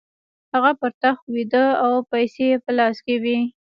هغه پر تخت ویده او پیسې یې په لاس کې وې